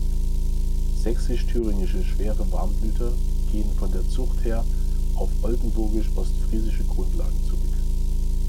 Sächsisch-Thüringische Schwere Warmblüter gehen von der Zucht her auf oldenburgisch-ostfriesische Grundlagen zurück.